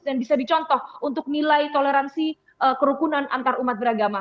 dan bisa dicontoh untuk nilai toleransi kerukunan antarumat beragama